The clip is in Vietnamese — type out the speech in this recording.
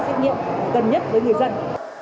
xét nghiệm gần nhất với người dân